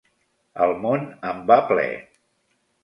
El món en va ple!